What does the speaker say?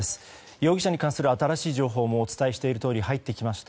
容疑者に関する新しい情報もお伝えしているとおり入ってきました。